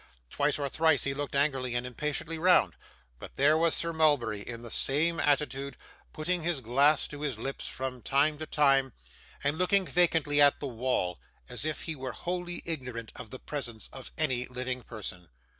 Twice or thrice he looked angrily and impatiently round; but there was Sir Mulberry in the same attitude, putting his glass to his lips from time to time, and looking vacantly at the wall, as if he were wholly ignorant of the presence of any living person.